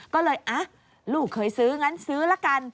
ก็เลยลูกเคยซื้องั้นซื้อละกัน